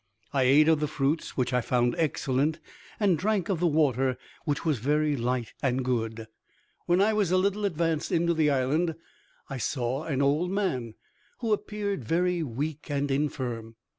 I ate of the fruits, which I found excellent; and drank of the water, which was very light and good. When I was a little advanced into the island, I saw an old man, who appeared very weak and infirm.